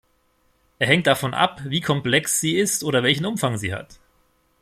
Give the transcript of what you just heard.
Er hängt davon ab, wie komplex sie ist oder welchen Umfang sie hat.